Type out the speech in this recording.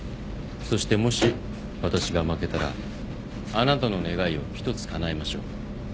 そしてもし私が負けたらあなたの願いを一つかなえましょう。